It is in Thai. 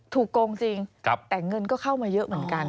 โกงจริงแต่เงินก็เข้ามาเยอะเหมือนกัน